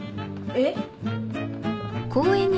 えっ？